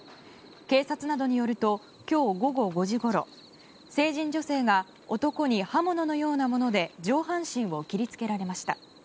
警察などによると今日午後５時ごろ、成人女性が男に刃物のようなもので上半身を切り付けられました。